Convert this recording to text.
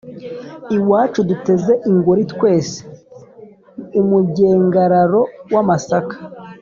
Iwacu duteze ingori twese.-Umugengararo w'amasaka.